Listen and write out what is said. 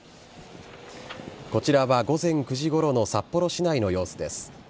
こちらは午前９時ごろの札幌市内の様子です。